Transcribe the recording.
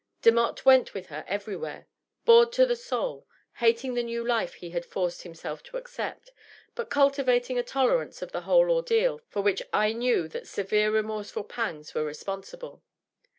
l)emotte went with her everywhere, bored to the soul, hating the new life he had forced himself to accept, but cultivating a tolerance of the whole ordeal for which I knew that severe remorseful pangs were responsible.